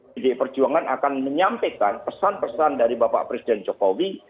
pdi perjuangan akan menyampaikan pesan pesan dari bapak presiden jokowi